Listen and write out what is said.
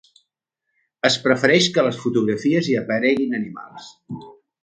Es prefereix que a les fotografies hi apareguin animals.